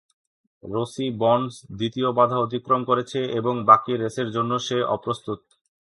Rossi Bonds দ্বিতীয় বাধা অতিক্রম করেছে এবং বাকি রেসের জন্য সে অপ্রস্তুত।